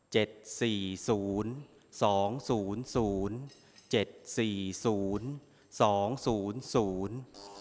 สี่ศูนย์สองศูนย์ศูนย์เจ็ดสี่ศูนย์สองศูนย์ศูนย์